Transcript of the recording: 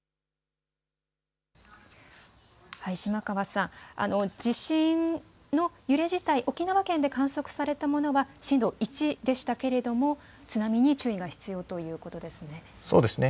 島川さん、地震の揺れ地震自体、沖縄県で確認されたものは震度１でしたが津波に注意が必要ということですね。